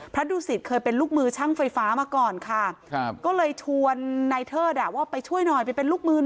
ดูสิตเคยเป็นลูกมือช่างไฟฟ้ามาก่อนค่ะก็เลยชวนนายเทิดว่าไปช่วยหน่อยไปเป็นลูกมือหน่อย